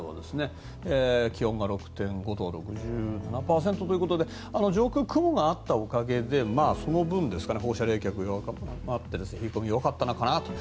気温が６．５度湿度が６７％ということで上空は雲があったおかげでその分、放射冷却などもあって冷え込みが弱かったのかな。